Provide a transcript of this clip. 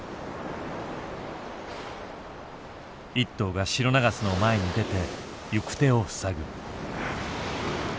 １頭がシロナガスの前に出て行く手を塞ぐ。